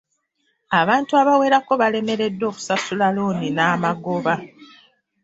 Abantu abawerako balemereddwa okusasula looni n'amagoba.